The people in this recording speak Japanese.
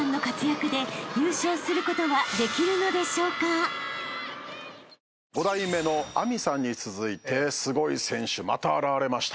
［果たして］五代目の明未さんに続いてすごい選手また現れました。